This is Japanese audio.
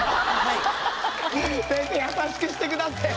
先生優しくしてください。